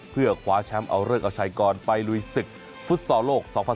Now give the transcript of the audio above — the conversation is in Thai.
เพื่อคว้าแชมป์เอาเลิกเอาชัยกรไปลุยศึกฟุตซอลโลก๒๐๑๖